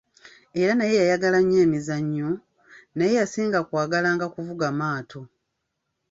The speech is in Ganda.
Era naye yayagala nnyo emizannyo, naye yasinga kwagalanga kuvuga maato.